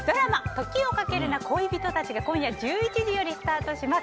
「時をかけるな、恋人たち」が今夜１１時よりスタートします。